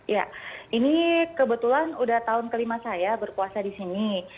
ya ini kebetulan udah tahun kelima saya berpuasa di sini